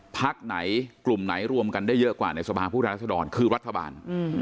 พักไหนกลุ่มไหนรวมกันได้เยอะกว่าในสภาพผู้แทนรัศดรคือรัฐบาล